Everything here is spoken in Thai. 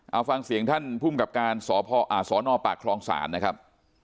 เอาฟังเสียงท่านภูมิกับการสนปากคลองศาลนะครับ